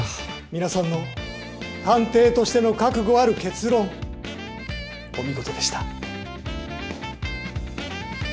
皆さんの探偵としての覚悟ある結論お見事でした。